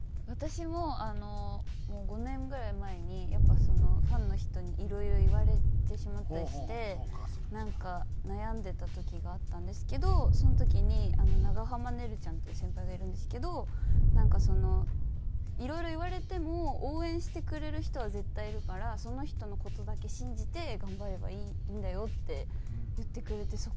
私もあのもう５年ぐらい前にやっぱりファンの人にいろいろ言われてしまったりしてなんか悩んでた時があったんですけどその時に長濱ねるちゃんっていう先輩がいるんですけどなんかその「いろいろ言われても応援してくれる人は絶対いるからその人の事だけ信じて頑張ればいいんだよ」って言ってくれて。